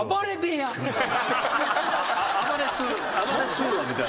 暴れ通路みたいな。